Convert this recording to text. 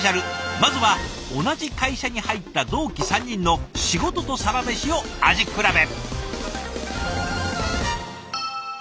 まずは同じ会社に入った同期３人の仕事とサラメシを味比べ。